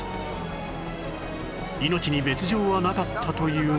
命に別条はなかったというが